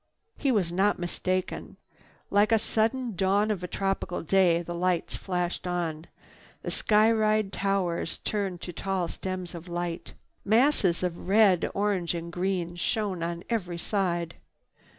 He was not mistaken. Like the sudden dawn of a tropical day, the lights flashed on. The Sky Ride towers turned to tall stems of light. Masses of red, orange and green shone on every side.